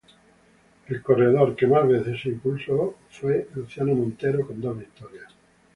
El corredor que más veces se impuso fue Luciano Montero, con dos victorias.